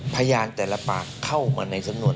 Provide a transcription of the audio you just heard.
พยานแต่ละปากเข้ามาในสำนวน